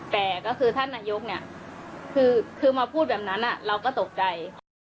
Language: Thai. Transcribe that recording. แต่ก็คือท่านนายกเนี่ยคือมาพูดแบบนั้นเราก็ตกใจ